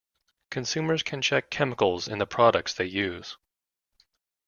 Consumers can check chemicals in the products they use.